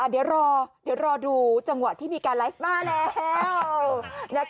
เดี๋ยวรอดูจังหวะที่มีการไลฟ์มาแล้ว